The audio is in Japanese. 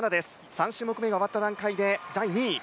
３種目めが終わった段階で第２位。